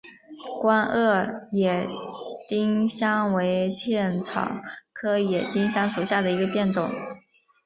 光萼野丁香为茜草科野丁香属下的一个变种。